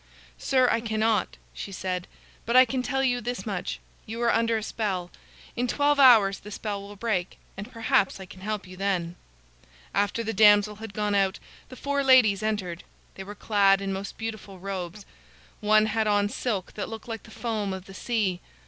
"Sir, I cannot," she said. "But I can tell you this much: you are under a spell. In twelve hours the spell will break, and perhaps I can help you then." After the damsel had gone out, the four ladies entered. They were clad in most beautiful robes. One had on silk that looked like the foam of the sea.